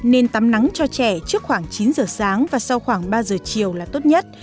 nên tắm nắng cho trẻ trước khoảng chín giờ sáng và sau khoảng ba giờ chiều là tốt nhất